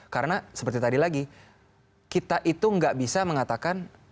karena seperti tadi lagi kita itu nggak bisa mengatakan